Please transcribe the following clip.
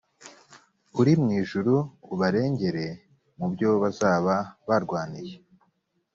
uri mu ijuru ubarengere mu byo bazaba barwaniye